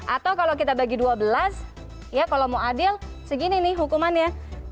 atau kalau kita bagi dua belas ya kalau mau adil segini nih hukumannya